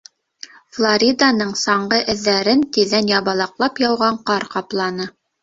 Флориданың саңғы эҙҙәрен тиҙҙән ябалаҡлап яуған ҡар ҡапланы.